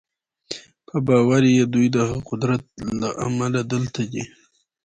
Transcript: په باور یې دوی د هغه قدرت له امله دلته دي